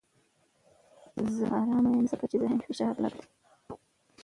زه ارام یم ځکه چې ذهني فشار لږ دی.